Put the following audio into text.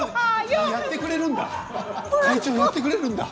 やってくれるんだ。